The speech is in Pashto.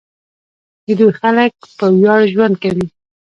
د دوی خلک په ویاړ ژوند کوي.